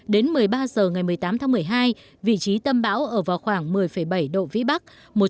đến một mươi ba h ngày một mươi tám tháng một mươi hai vị trí tâm bão ở vào khoảng một mươi bảy độ vĩ bắc